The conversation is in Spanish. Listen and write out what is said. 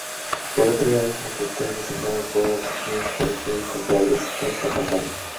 Por otro lado, pronto fue reemplazado por oficiales porteños, más confiables para esa campaña.